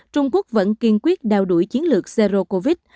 trung quốc vẫn kiên quyết đào đuổi chiến lược zero covid